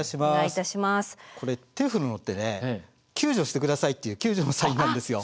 これ手振るのってね救助してくださいっていう救助のサインなんですよ。